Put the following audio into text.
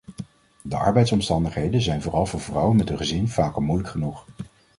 De arbeidsomstandigheden zijn vooral voor vrouwen met een gezin vaak al moeilijk genoeg.